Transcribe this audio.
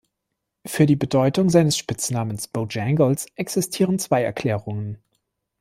Für die Bedeutung seines Spitznamen „Bojangles“ existieren zwei Erklärungen.